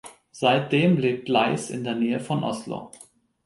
Seitdem lebt Leiß in der Nähe von Oslo.